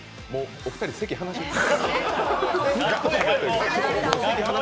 お二人、席離します。